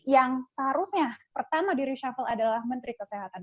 yang seharusnya pertama di reshuffle adalah menteri kesehatan